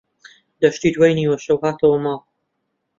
دەشتی دوای نیوەشەو هاتەوە ماڵ.